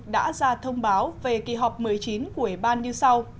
đã ra thông báo về kỳ họp một mươi chín của ủy ban như sau